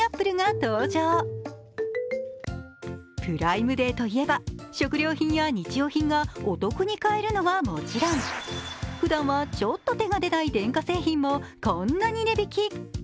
プライムデーといえば食料品や日用品がお得に買えるのはもちろん、ふだんはちょっと手が出ない電化製品もこんなに値引き。